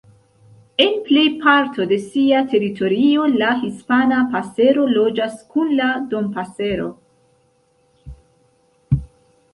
En plej parto de sia teritorio, la Hispana pasero loĝas kun la Dompasero.